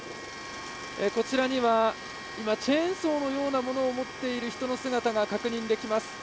こちらにはチェーンソーのようなものを持っている人の姿が確認できます。